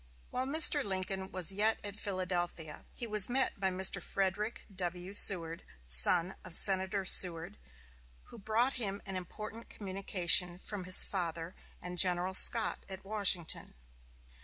While Mr. Lincoln was yet at Philadelphia, he was met by Mr. Frederick W. Seward, son of Senator Seward, who brought him an important communication from his father and General Scott at Washington.